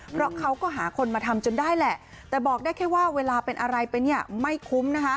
เพราะเขาก็หาคนมาทำจนได้แหละแต่บอกได้แค่ว่าเวลาเป็นอะไรไปเนี่ยไม่คุ้มนะคะ